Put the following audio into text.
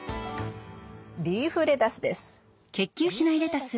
リーフレタスです。